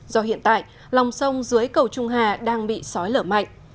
do hiện tại lòng sông dưới cầu trung hà đang bị sói lở mạnh